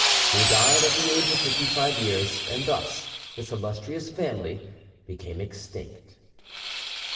He died at the age of fifty five years, and thus this illustrious family became extinct.